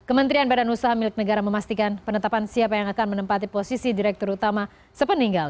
kementerian badan usaha milik negara memastikan penetapan siapa yang akan menempati posisi direktur utama sepeninggal